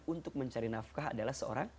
untuk mencari nafkah adalah seorang